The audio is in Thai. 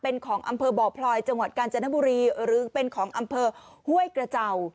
เป็นของอำเภอบ่อพลอยจังหวัดกาญจนบุรีหรือเป็นของอำเภอห้วยกระเจ้า